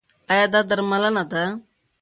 ایا دا درملنه ده؟